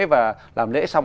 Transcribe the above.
và làm lễ xong